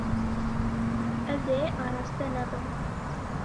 Ez ê araste nebim.